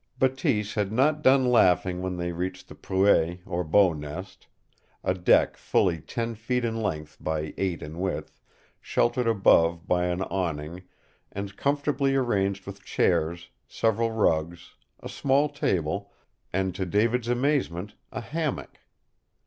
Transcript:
Bateese had not done laughing when they reached the proue, or bow nest, a deck fully ten feet in length by eight in width, sheltered above by an awning, and comfortably arranged with chairs, several rugs, a small table, and, to David's amazement, a hammock.